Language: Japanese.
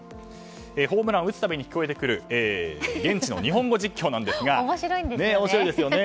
ホームランを打つたびに聞こえてくる現地の日本語実況ですが面白いですよね。